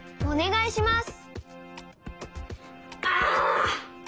おねがいします！